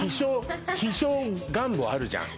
秘書願望あるじゃん？